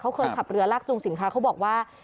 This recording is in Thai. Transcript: เขาเคยขับเรือลากจูงสินค้าเขาบอกว่า